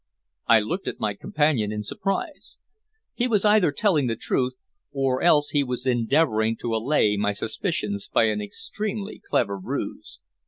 I looked at my companion in surprise. He was either telling the truth, or else he was endeavoring to allay my suspicions by an extremely clever ruse.